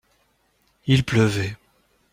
Il pleuvait.